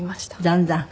だんだん。